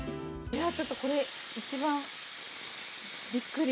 ちょっとこれ、一番びっくり。